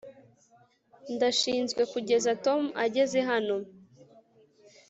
ndashinzwe kugeza tom ageze hano